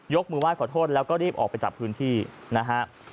ยกมือว่าขอโทษแล้วก็รีบออกไปจับพื้นที่นะครับ